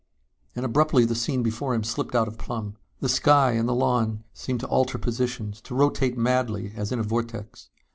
And abruptly the scene before him slipped out of plumb. The sky and the lawn seemed to alter positions, to rotate madly as in a vortex.